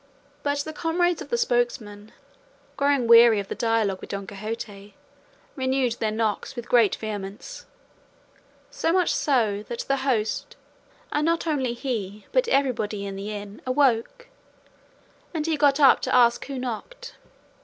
But the comrades of the spokesman, growing weary of the dialogue with Don Quixote, renewed their knocks with great vehemence, so much so that the host, and not only he but everybody in the inn, awoke, and he got up to ask who knocked.